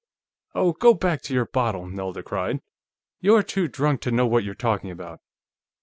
"Oh, go back to your bottle!" Nelda cried. "You're too drunk to know what you're talking about!"